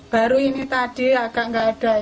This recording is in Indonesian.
baru ini tadi agak nggak ada